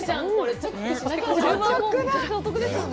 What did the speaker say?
絶対お得ですよね。